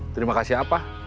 terima kasih apa